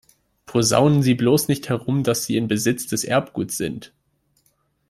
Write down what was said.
Posaunen Sie bloß nicht herum, dass Sie in Besitz des Erbguts sind!